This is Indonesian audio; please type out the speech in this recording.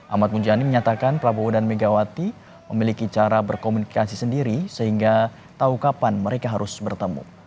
ahmad muzani menyatakan prabowo dan megawati memiliki cara berkomunikasi sendiri sehingga tahu kapan mereka harus bertemu